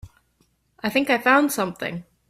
I think I found something.